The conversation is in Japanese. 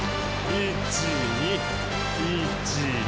１２１２。